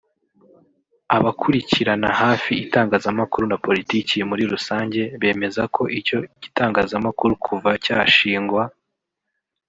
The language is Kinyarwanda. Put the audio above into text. Abakurikirana hafi itangazamakuru na politiki muri rusange bemeza ko icyo gitangazamakuru kuva cyashingwa